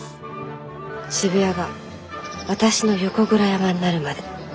渋谷が私の横倉山になるまで。